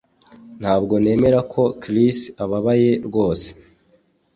Ntabwo nemera ko Chris ababaye rwose